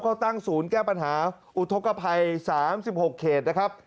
ก็ตั้งศูนย์แก้ปัญหาอุทธกภัย๓๖เขตนะครับ